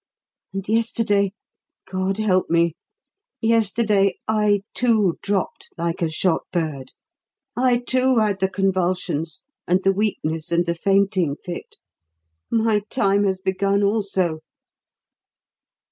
And yesterday God help me! yesterday, I, too, dropped like a shot bird; I, too, had the convulsions and the weakness and the fainting fit. My time has begun also!"